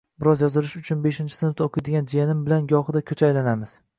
Biroz yozilish uchun beshinchi sinfda o‘qiydigan jiyanim bilan gohida ko‘cha aylanamiz.